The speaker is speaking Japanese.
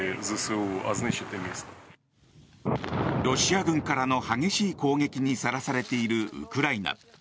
ロシア軍からの激しい攻撃にさらされているウクライナ。